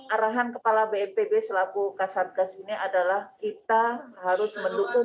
arahan kepala bnpb selaku kasatgas ini adalah kita harus mendukung